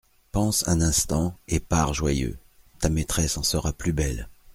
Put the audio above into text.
Pense un instant et pars joyeux, Ta maîtresse en sera plus belle.